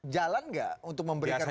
jalan gak untuk memberikan masukan